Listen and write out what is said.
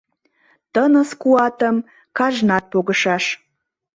Тыныс куатым кажнат погышаш!